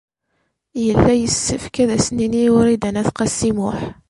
Yella yessefk ad as-nini i Wrida n At Qasi Muḥ.